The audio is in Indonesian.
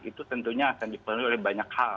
itu tentunya akan dipenuhi oleh banyak hal